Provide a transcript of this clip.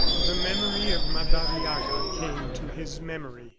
The memory of Madariaga came to his memory.